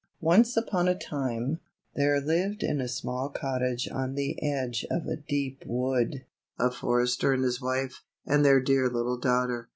QNCE upon a time, there lived in a small cottage on the edge of a deep wood, a forester and his wife, and their dear little daughter.